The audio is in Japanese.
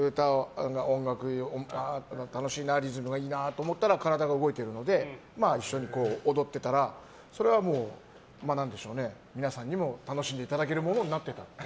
音楽楽しいなリズムがいいなと思ったら体が動いてるので一緒に踊ってたらそれがもう皆さんにも楽しんでいただけるものになってた。